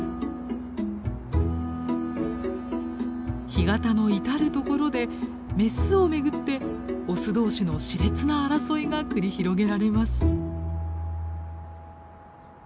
干潟の至る所でメスを巡ってオス同士のしれつな争いが繰り広げられます。